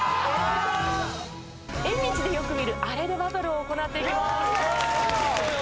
縁日でよく見るあれでバトルを行っていきます。